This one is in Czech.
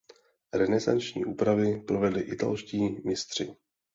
Renesanční úpravy provedli italští mistři.